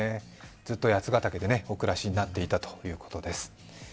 ずっと八ヶ岳でお暮らしになっていたということです。